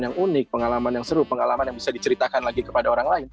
misalnya kepadanya ada anggota yang memasak makanan itu ada nama juga ada siku negaranya